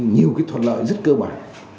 nhiều thuật lợi rất cơ bản